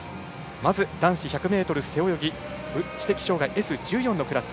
まず男子１００ｍ背泳ぎ知的障がいＳ１４のクラス。